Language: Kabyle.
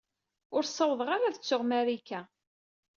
Ur ssawḍeɣ ara ad ttuɣ Marika.